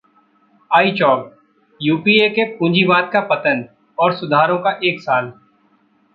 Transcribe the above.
iChowk: 'UPA के पूंजीवाद का पतन और सुधारों का एक साल'